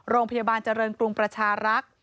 โรงพยาบาลเจริญกรุงประชารักษ์